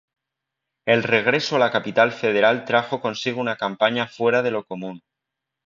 El regreso a la Capital Federal trajo consigo una campaña fuera de lo común.